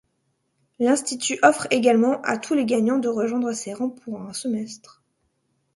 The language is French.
L'institut offre également à tous les gagnants de rejoindre ses rangs pour un semestre.